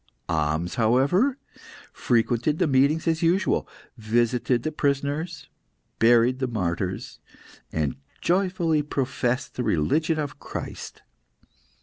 Ahmes, however, frequented the meetings as usual, visited the prisoners, buried the martyrs, and joyfully professed the religion of Christ.